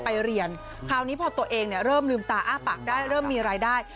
ไปเรียนคราวนี้พอตัวเองเริ่มลืมตาอ้าปากได้เริ่มมีรายได้